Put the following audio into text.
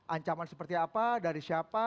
ancaman seperti apa dari siapa